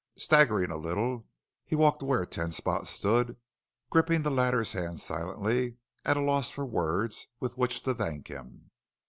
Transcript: Staggering a little, he walked to where Ten Spot stood, gripping the latter's hand silently, at a loss for words with which to thank him.